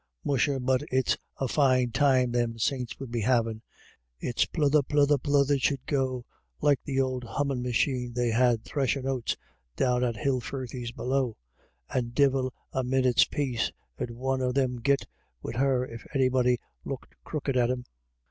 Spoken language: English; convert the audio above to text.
Musha, but it's a fine time them saints would be havin' ; it's pluther, pluther, pluther, she'd go, like th'ould hummin' machine they had threshin' oats down at Hilfirthy's below, and divil a minnit's paice 'ud one of thim git wid her, if anybody looked crooked at him."